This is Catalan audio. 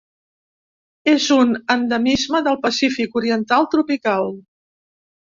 És un endemisme del Pacífic oriental tropical.